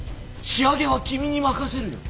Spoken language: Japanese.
仕上げは君に任せるよ。